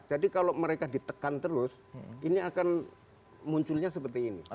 jadi kalau mereka ditekan terus ini akan munculnya seperti ini